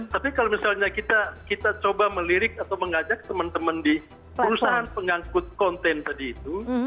tapi kalau misalnya kita coba melirik atau mengajak teman teman di perusahaan pengangkut konten tadi itu